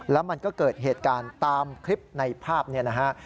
แล้วมันก็เกิดเหตุการณ์ตามคลิปในภาพนี้นะฮะ